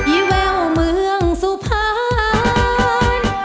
อีแววเมืองสุภัณฑ์